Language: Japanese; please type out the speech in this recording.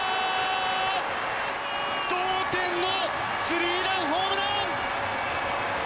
同点のスリーランホームラン！